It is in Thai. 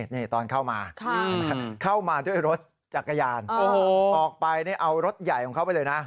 นี่ตอนเข้ามาเข้ามาด้วยรถจักรยานออกไปเอารถใหญ่ของเขาไปเลยนะ